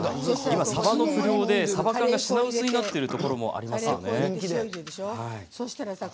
サバの不漁でサバ缶が品薄になっているところがあります。